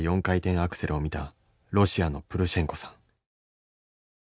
４回転アクセルを見たロシアのプルシェンコさん。